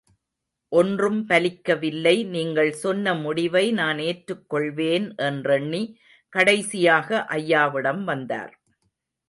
ஒன்றும் பலிக்க வில்லை, நீங்கள் சொன்ன முடிவை நான் ஏற்றுக் கொள்வேன் என்றெண்ணி கடைசியாக ஐயாவிடம் வந்தார்.